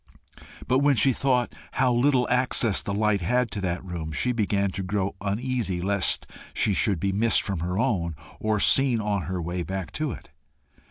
But when she thought how little access the light had to that room, she began to grow uneasy lest she should be missed from her own, or seen on her way back to it.